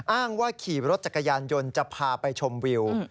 อ้างว่าขี่รถจักรยานยนต์จะพาไปชมวิว